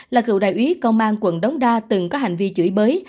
là cựu đại úy công an quận đống đa từng có hành vi chửi bới